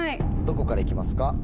どこから行きますか？